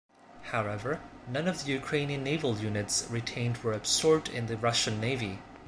However, none of the Ukrainian naval units retained were absorbed into the Russian Navy.